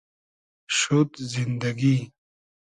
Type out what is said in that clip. شود زیندئگی